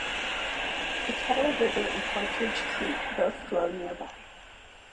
The Kettle River and Partridge Creek both flow nearby.